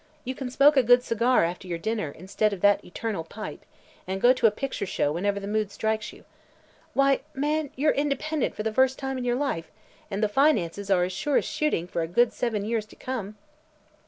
You can smoke a good cigar after your dinner, instead of that eternal pipe, and go to a picture show whenever the mood strikes you. Why, man, you're independent for the first time in your life, and the finances are as sure as shooting for a good seven years to come."